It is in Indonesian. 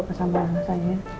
ke sama saya ya